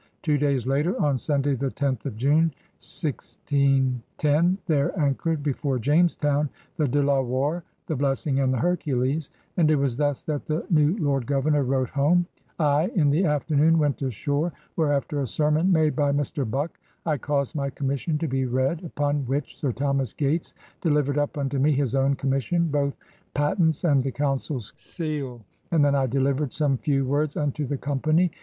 Two days later, on Sunday the 10th of Jime, 1610, there anchored before Jamestown the De La Warr, the Blessing, and the Hercules; and it was thus that the new Lord Governor wrote home: "I ... in the after noon went ashore, where after a sermon made by Mr. Buck ... I caused my conmiission to be read, upon which Sir Thomas Gates delivered up unto me his owne commission, both patents, and the counsell scale; and then I delivered some few 72 PIONEERS OF THE OLD SOUTH wordes unto the Company